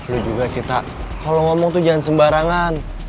lo juga sih tak kalo ngomong tuh jangan sembarangan